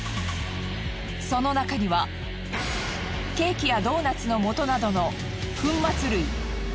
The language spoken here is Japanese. その中にはケーキやドーナツの素などの粉末類。